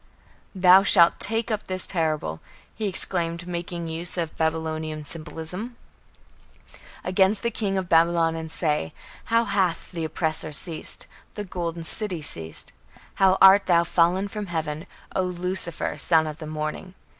"Thou shalt take up this parable", he exclaimed, making use of Babylonian symbolism, "against the king of Babylon and say, How hath the oppressor ceased! the golden city ceased!... How art thou fallen from heaven, O Lucifer, son of the morning!